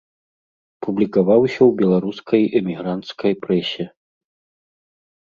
Публікаваўся ў беларускай эмігранцкай прэсе.